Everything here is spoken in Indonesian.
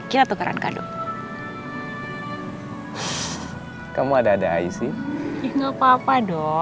itu kan tanda perhatian dan kasih sayang kita